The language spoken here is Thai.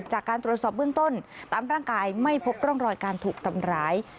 จากการตรวจสอบเบื้องต้นตามร่างกายไม่พบร่องรอยการถูกทำร้าย